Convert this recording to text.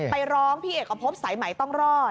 ไปร้องพี่เอกพบสายใหม่ต้องรอด